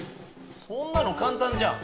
そんなの簡単じゃん！